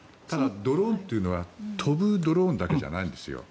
ドローンは飛ぶドローンだけじゃないんです。